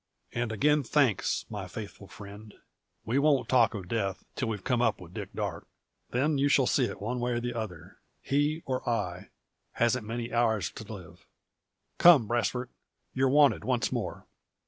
"And again thanks, my faithful friend! We won't talk of death, till we've come up with Dick Darke. Then you shall see it one way or other. He, or I, hasn't many hours to live. Come, Brasfort! you're wanted once more."